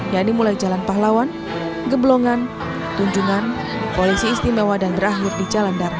yaitu mulai jalan pahlawan geblongan tunjungan polisi istimewa dan berakhir di jalan darat